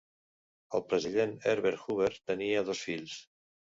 El president Herbert Hoover tenia dos fills.